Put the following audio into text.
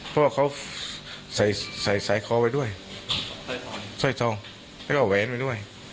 เพราะว่าเขาใส่ใส่ใส่คอไว้ด้วยซ่อยทองซ่อยทองแล้วก็เอาแหวนไว้ด้วย